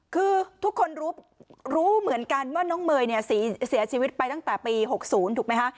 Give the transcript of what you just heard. คือทุกคนรู้เหมือนกันว่าน้องเมย์เนี่ยเสียชีวิตไปตั้งแต่ปี๖๐ถูกไหมคะ